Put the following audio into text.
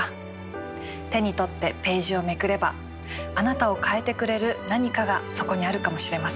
手に取ってページをめくればあなたを変えてくれる何かがそこにあるかもしれません。